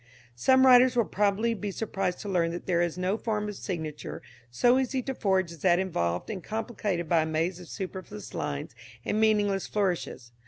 Such writers will probably be surprised to learn that there is no form of signature so easy to forge as that involved and complicated by a maze of superfluous lines and meaningless flourishes.